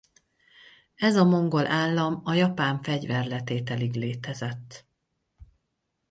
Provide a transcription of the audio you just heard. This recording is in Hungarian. Ez a mongol állam a japán fegyverletételig létezett.